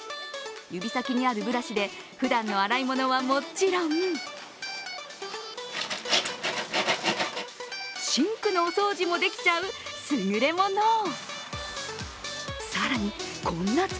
指先にあるブラシでふだんの洗い物はもちろん、シンクのお掃除もできちゃう優れもの。